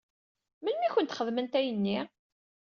Melmi i kent-xedment ayenni?